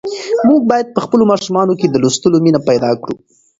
موږ باید په خپلو ماشومانو کې د لوستلو مینه پیدا کړو.